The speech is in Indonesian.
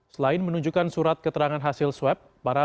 selain menunjukkan surat keterangan hasil swab